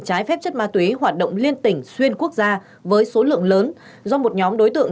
trái phép chất ma túy hoạt động liên tỉnh xuyên quốc gia với số lượng lớn do một nhóm đối tượng